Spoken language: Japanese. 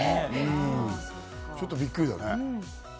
ちょっとびっくりだね。